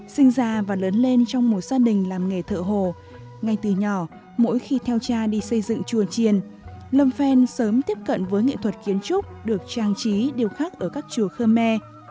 sinh ra và lớn lên trong một gia đình làm nghề thợ hồ ngay từ nhỏ mỗi khi theo cha đi xây dựng chùa triền lâm phen sớm tiếp cận với nghệ thuật kiến trúc được trang trí điều khác ở các chùa khơ me